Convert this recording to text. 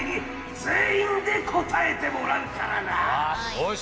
よし！